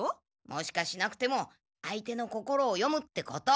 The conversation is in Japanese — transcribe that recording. もしかしなくても相手の心を読むってこと！